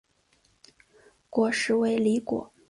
果实为离果。